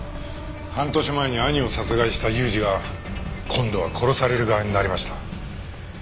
半年前に兄を殺害した裕二が今度は殺される側になりました。